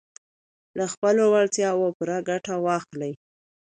له خپلو وړتیاوو پوره ګټه واخلئ.